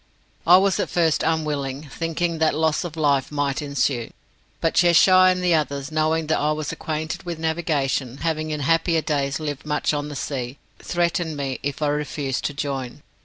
I was at first unwilling, thinking that loss of life might ensue; but Cheshire and the others, knowing that I was acquainted with navigation having in happier days lived much on the sea threatened me if I refused to join.